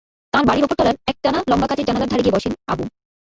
তাঁর বাড়ির ওপর তলার একটানা লম্বা কাচের জানালার ধারে গিয়ে বসেন আবু।